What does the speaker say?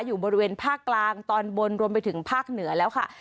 อยู่บริเวณภาคกลางตอนบนรวมไปถึงภาคเหนือแล้วค่ะ